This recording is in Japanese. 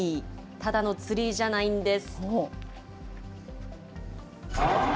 ただのツリーじゃないんです。